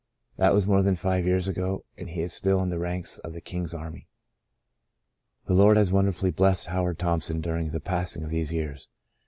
That was more than five years ago, and he The Lifted Bondage 169 is still in the ranks of the King's army. The Lord has wonderfully blessed Howard Thompson during the passing of these years.